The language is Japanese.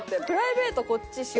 プライベートこっち？